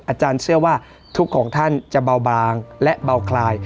อาจารย์เชื่อว่าทุกของท่านจะเบาบางและเบาคลาย